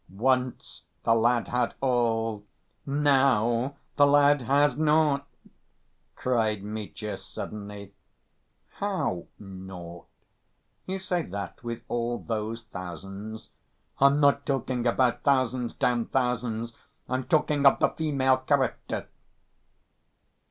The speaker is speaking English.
"Once the lad had all, now the lad has naught," cried Mitya suddenly. "How 'naught'? You say that with all those thousands!" "I'm not talking about thousands. Damn thousands! I'm talking of the female character.